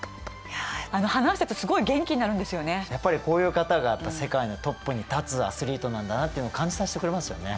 やっぱりこういう方が世界のトップに立つアスリートなんだなって感じさせてくれますよね。